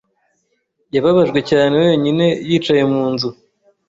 Yababajwe cyane wenyine yicaye mu nzu